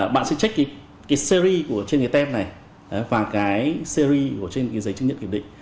bạn sẽ check cái series trên cái tem này và cái series trên cái giấy chứng nhận kiểm định